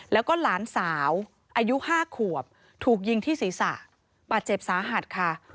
แล้วก็หลานสาวอายุ๕ขวบถูกยิงที่ศีรษะบาดเจ็บสาหัสค่ะ